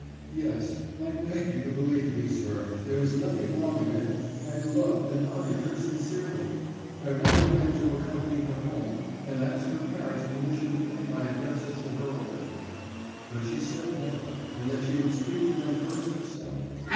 "Yes. I beg you to believe, sir, there was nothing wrong in it. I loved and honoured her sincerely. I wanted then to accompany her home and ask her parents' permission to pay my addresses to her openly: but she said no, and that she would speak to them first herself.